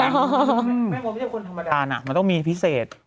แม่มดไม่ใช่คนธรรมดาน่ะมันต้องมีพิเศษ